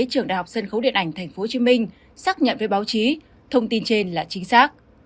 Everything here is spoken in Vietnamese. trường đại học sân khấu điện ảnh tp hcm xác nhận với báo chí thông tin trên là chính xác